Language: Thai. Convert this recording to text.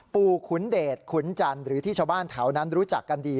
ขุนเดชขุนจันทร์หรือที่ชาวบ้านแถวนั้นรู้จักกันดี